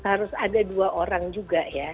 harus ada dua orang juga ya